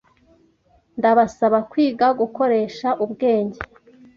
Ndabasaba kwiga gukoresha ubwenge